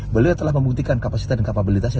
beliau telah membuktikan kapasitas dan kapabilitasnya